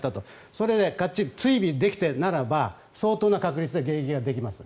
それでかっちり追尾できているならば相当な確率で迎撃ができます。